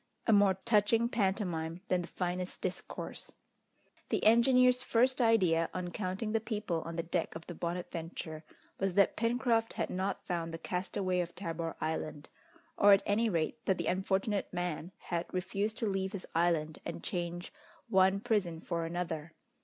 A more touching pantomime than the finest discourse. The engineer's first idea, on counting the people on the deck of the Bonadventure, was that Pencroft had not found the castaway of Tabor Island, or at any rate that the unfortunate man had refused to leave his island and change one prison for another.